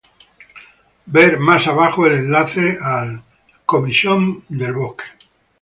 Ver más abajo el enlace al "Forestry commission".